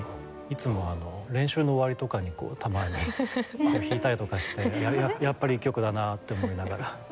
いつも練習の終わりとかにこうたまに弾いたりとかしてやっぱりいい曲だなって思いながら。